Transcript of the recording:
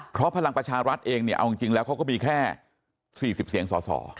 เพราะพลังประชารัฐเองเนี่ยเอาจริงแล้วเขาก็มีแค่๔๐เสียงสอสอ